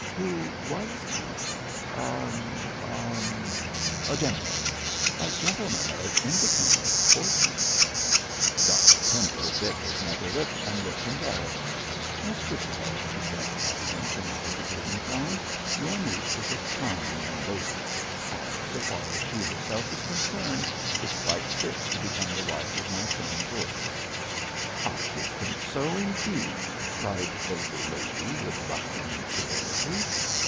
'Who was he?' 'A a a gentleman! a gentleman of independent fortune.' Dr Pendle bit his nether lip and looked embarrassed. 'Miss Whichello,' he said at length, in a hesitating tone, 'your niece is a charming young lady, and, so far as she herself is concerned, is quite fit to become the wife of my son George.' 'I should think so indeed!' cried the little lady, with buckram civility.